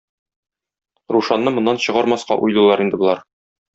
Рушанны моннан чыгармаска уйлыйлар инде болар.